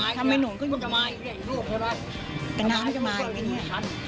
อย่างนี้